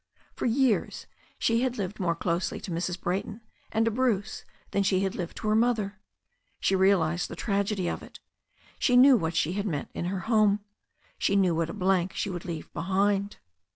For years she had lived more closely to Mrs. Brayton and to Bruce than she had lived to her mother. She realized the tragedy of it. She knew what she had meant in her home. She knew what a blank she would leave behind.